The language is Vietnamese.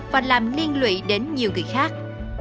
và làm liên lụy đến nhiều người khác